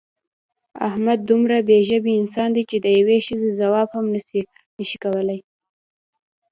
احمد دومره بې ژبې انسان دی چې د یوې ښځې ځواب هم نشي کولی.